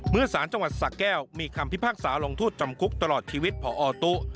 สารจังหวัดสะแก้วมีคำพิพากษาลงโทษจำคุกตลอดชีวิตพอตุ